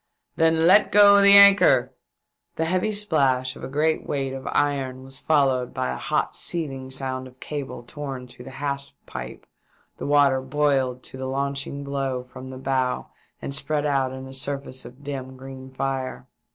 " Then let go the anchor !" The heavy splash of a great weight of iron was followed by a hot seething sound of cable torn through the hawse pipe ; the water boiled to the launching blow from the bow and spread out in a surface of dim green fire.